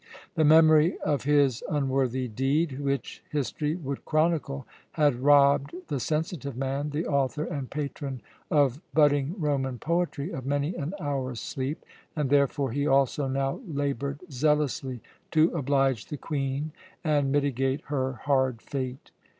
The memory of his unworthy deed, which history would chronicle, had robbed the sensitive man, the author and patron of budding Roman poetry, of many an hour's sleep, and therefore he also now laboured zealously to oblige the Queen and mitigate her hard fate.